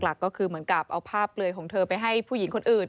หลักก็คือเหมือนกับเอาภาพเปลือยของเธอไปให้ผู้หญิงคนอื่น